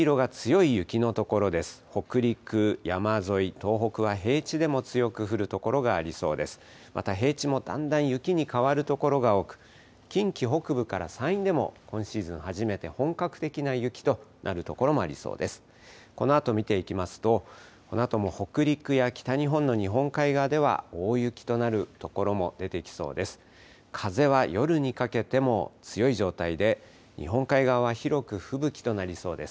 このあと見ていきますと、このあとも北陸や北日本の日本海側では、大雪となる所も出てきそうです。